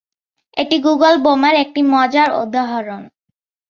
এটি গুগল বোমার একটি মজার উদাহরণ।